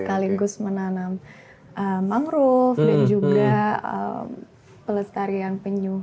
sekaligus menanam mangrove dan juga pelestarian penyu